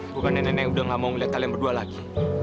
bukan nenek nenek udah gak mau ngeliat kalian berdua lagi